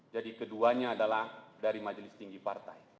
jadi keduanya adalah dari majelis tinggi partai